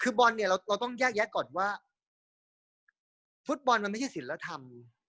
คือบอลเนี่ยเราต้องแยกแยะก่อนว่าฟุตบอลมันไม่ใช่ศิลธรรม